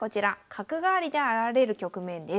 角換わりで現れる局面です。